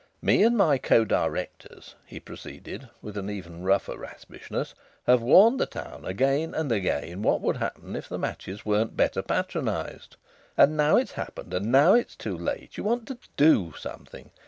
Me and my co Directors," he proceeded, with even a rougher raspishness, "have warned the town again and again what would happen if the matches weren't better patronised. And now it's happened, and now it's too late, you want to do something!